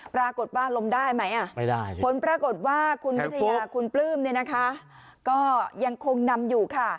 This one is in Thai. ปรากฏว่าล้มได้ไหมผลปรากฏว่าคุณวิทยาคุณปลื้มเนี่ยนะคะก็ยังคงนำอยู่ค่ะ